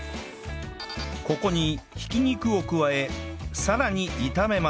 ここに挽き肉を加えさらに炒めます